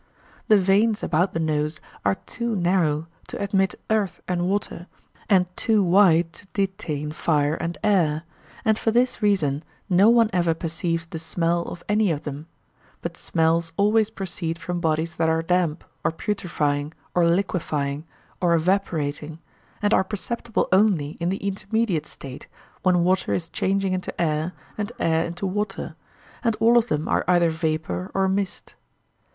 The veins about the nose are too narrow to admit earth and water, and too wide to detain fire and air; and for this reason no one ever perceives the smell of any of them; but smells always proceed from bodies that are damp, or putrefying, or liquefying, or evaporating, and are perceptible only in the intermediate state, when water is changing into air and air into water; and all of them are either vapour or mist.